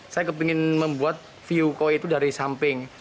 saya ingin membuat view koy itu dari samping